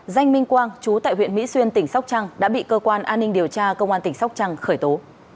danh minh quang chú tại huyện mỹ xuyên tỉnh sóc trăng đã bị cơ quan an ninh điều tra công an tỉnh sóc trăng khởi tố